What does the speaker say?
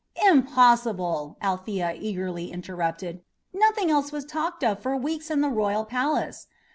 "Impossible!" Althea eagerly interrupted; "nothing else was talked of for weeks in the royal palace.